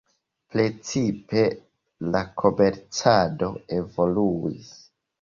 Precipe la komercado evoluis.